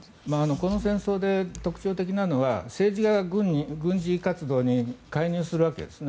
この戦争で特徴的なのは政治が軍事活動に介入するわけですね。